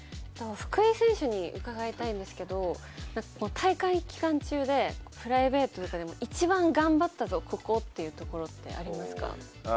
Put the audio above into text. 福井選手に伺いたいんですけれども、大会期間中でプライベートとかでも一番頑張ったぞ、ここというところってありますか？